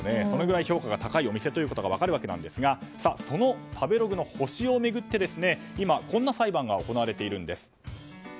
それぐらい評価が高いお店ということが分かるわけですがその食べログの星を巡って今、こんな裁判が行われているんです。